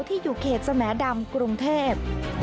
ที่อยู่เขตสแหมดำกรุงเทพ